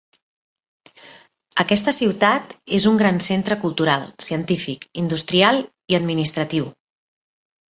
Aquesta ciutat és un gran centre cultural, científic, industrial i administratiu.